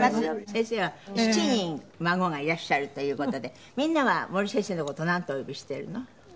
先生は７人孫がいらっしゃるという事でみんなは森先生の事なんてお呼びしてるの？